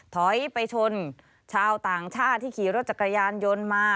ถอยไปชนชาวต่างชาติที่ขี่รถจักรยานยนต์มา